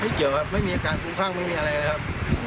ไม่เกี่ยวครับไม่มีอาการดูดข้างไม่มีอะไรครับ